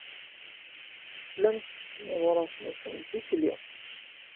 Llan ttekken imuras-nsen ddukkli.